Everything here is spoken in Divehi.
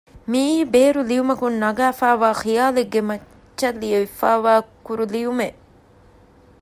މިއީ ބޭރު ލިޔުމަކުން ނަގައިފައިވާ ޚިޔާލެއްގެ މައްޗަށް ލިޔެފައިވާ ކުރު ލިޔުމެއް